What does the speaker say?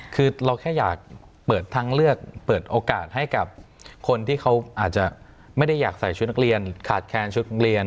คือเราแค่อยากเปิดทางเลือกเปิดโอกาสให้กับคนที่เขาอาจจะไม่ได้อยากใส่ชุดนักเรียนขาดแคลนชุดโรงเรียน